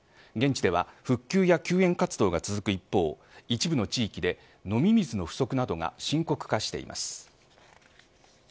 現地では復旧や救援活動が続く一方一部の地域で飲み水の不足などが深刻化しています。